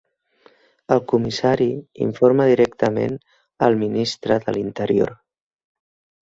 El comissari informa directament al Ministre de l"interior.